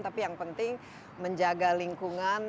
tapi yang penting menjaga lingkungan